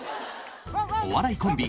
お笑いコンビ